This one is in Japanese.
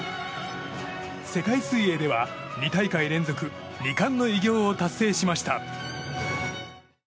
世界水泳では、２大会連続２冠の偉業を達成しました。